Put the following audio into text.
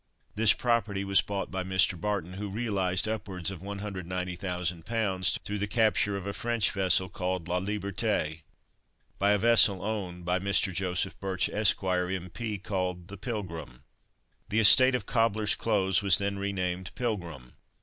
This property was bought by Mr. Barton, who realized upwards of 190,000 pounds through the capture of a French vessel called La Liberte, by a vessel owned by Joseph Birch, Esq., M.P., called The Pilgrim. The estate of Cobblers' Close was then re named "Pilgrim."